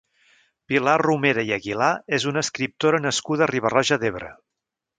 Pilar Romera i Aguilà és una escriptora nascuda a Riba-roja d'Ebre.